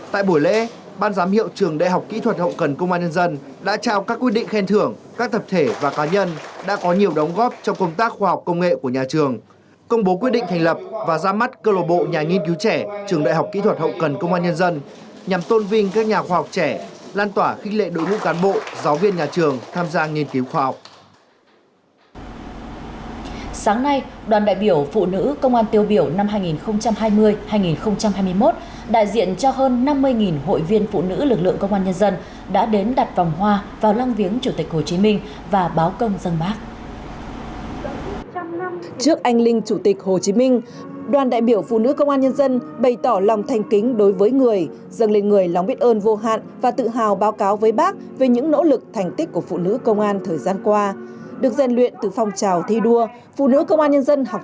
tại buổi lễ ban giám hiệu trường đại học kỹ thuật hậu cần công an nhân dân đã trao các quyết định khen thưởng các thập thể và cá nhân đã có nhiều đóng góp trong công tác khoa học công nghệ của nhà trường công bố quyết định thành lập và ra mắt cơ lộ bộ nhà nghiên cứu trẻ trường đại học kỹ thuật hậu cần công an nhân dân nhằm tôn vinh các nhà khoa học trẻ lan tỏa khích lệ đội ngũ cán bộ giáo viên nhà trường tham gia nghiên cứu khoa học